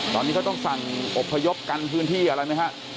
ตอนนี้เขาต้องสั่งอบพยพกันพื้นที่อะไรไหมฮะ